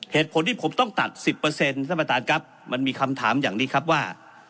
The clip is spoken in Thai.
เหตุผลที่ผมต้องตัด๑๐ท่านประธานครับมันมีคำถามอย่างนี้ครับว่า